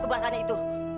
mereka memang anak itu